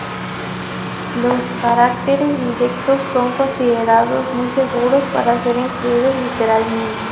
Los caracteres directos son considerados muy seguros para ser incluidos literalmente.